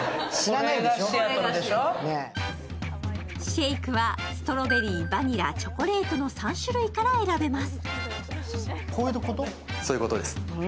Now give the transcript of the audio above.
シェイクはストロベリー、バニラ、チョコレートの３種類から選べます。